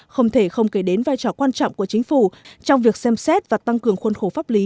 không thể không kể đến vai trò quan trọng của chính phủ trong việc xem xét và tăng cường khuôn khổ pháp lý